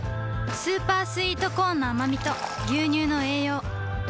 スーパースイートコーンのあまみと牛乳の栄養